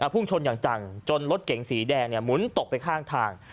พุ่งชนอย่างจังจนรถเก๋งสีแดงหมุนตกไปข้างทาง